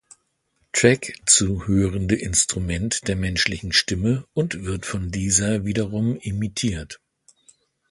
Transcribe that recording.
Track zu hörende Instrument der Menschlichen Stimme und wird von dieser wiederum imitiert.